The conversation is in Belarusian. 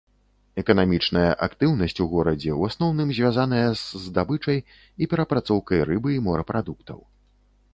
Эканамічная актыўнасць у горадзе ў асноўным звязаная з здабычай і перапрацоўкай рыбы і морапрадуктаў.